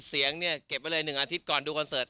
เสียงเนี่ยเก็บไว้เลย๑อาทิตย์ก่อนดูคอนเสิร์ต